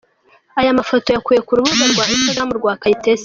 Aya mafoto yakuwe ku rubuga rwa Instagram rwa Kayitesi.